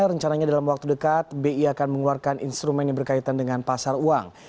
rencananya dalam waktu dekat bi akan mengeluarkan instrumen yang berkaitan dengan pasar uang